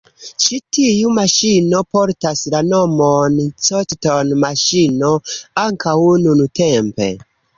Ĉi tiu maŝino portas la nomon “cotton-maŝino” ankaŭ nuntempe.